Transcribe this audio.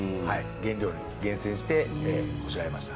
原料に厳選してこしらえました。